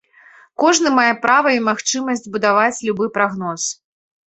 Кожны мае права і магчымасць будаваць любы прагноз.